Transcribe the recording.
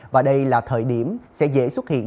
và đây là thời điểm sẽ dễ xuất hiện